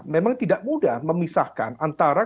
memang tidak mudah memisahkan antara